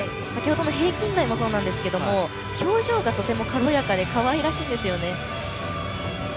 平均台もそうなんですけども表情がとても軽やかでかわいらしいんですよね。